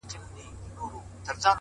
ساده ژوند د زړه ژور سکون راولي